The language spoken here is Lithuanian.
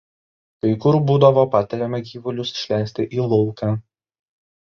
Kai kur būdavo patariama gyvulius išleisti į lauką.